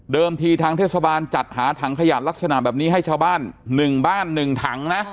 ทีทางเทศบาลจัดหาถังขยะลักษณะแบบนี้ให้ชาวบ้าน๑บ้าน๑ถังนะ